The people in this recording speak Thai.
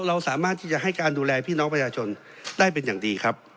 เราสามารถที่จะให้การดูแลพี่น้องประชาชนได้เป็นอย่างดีครับ